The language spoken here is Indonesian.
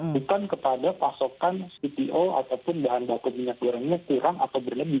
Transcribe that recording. bukan kepada pasokan cpo ataupun bahan baku minyak goreng ini kurang atau berlebih